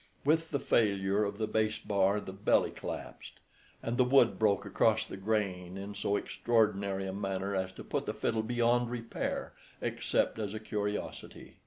With the failure of the bass bar the belly collapsed, and the wood broke across the grain in so extraordinary a manner as to put the fiddle beyond repair, except as a curiosity.